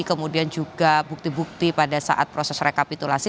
kemudian juga bukti bukti pada saat proses rekapitulasi